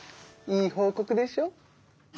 いい報告でしょ？